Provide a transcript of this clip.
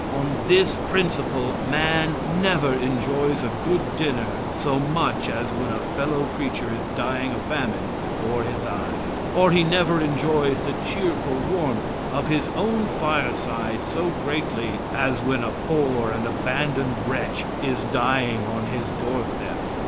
On this principle man never enjoys a good dinner so much as when a fellow creature is dying of famine before his eyes, or he never enjoys the cheerful warmth of his own fireside so greatly as when a poor and abandoned wretch is dying on his doorstep.